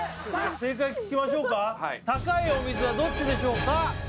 正解聞きましょうか高いお水はどっちでしょうか？